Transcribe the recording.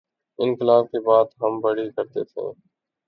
انقلا ب کی بات ہم بڑی کرتے ہیں۔